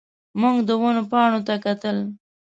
موږ د ونو پاڼو ته کتل.